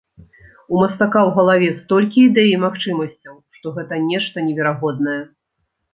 У мастака ў галаве столькі ідэй і магчымасцяў, што гэта нешта неверагоднае.